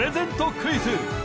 クイズ